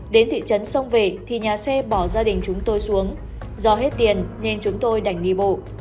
đến thị trấn sông về thì nhà xe bỏ gia đình chúng tôi xuống do hết tiền nên chúng tôi đành nghị bộ